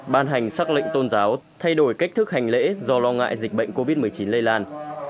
ban hành xác lệnh tôn giáo thay đổi cách thức hành lễ do lo ngại dịch bệnh covid một mươi chín lây lan